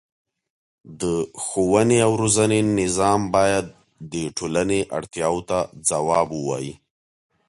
د ښوونې او روزنې نظام باید د ټولنې اړتیاوو ته ځواب ووايي.